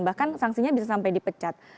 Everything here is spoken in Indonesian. bahkan sanksinya bisa sampai dipecat